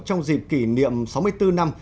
trong dịp kỷ niệm sáu mươi bốn năm